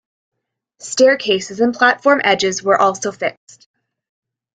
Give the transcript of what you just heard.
Staircases and platform edges were also fixed.